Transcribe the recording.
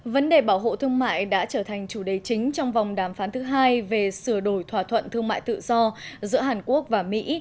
vấn đề bảo hộ thương mại đã trở thành chủ đề chính trong vòng đàm phán thứ hai về sửa đổi thỏa thuận thương mại tự do giữa hàn quốc và mỹ